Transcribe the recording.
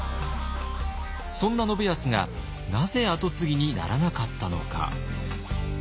そんな信康がなぜ跡継ぎにならなかったのか。